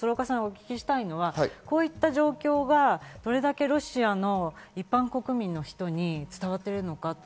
鶴岡さんにお聞きしたいのは、こういった状況がどれだけロシアの一般国民の人に伝わっているのか。